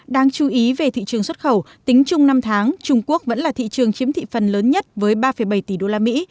đáng chú ý về thị trường xuất khẩu tính chung năm tháng trung quốc vẫn là thị trường chiếm thị phần lớn nhất với ba bảy tỷ đô la mỹ